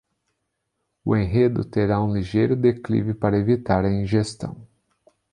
O enredo terá um ligeiro declive para evitar a ingestão.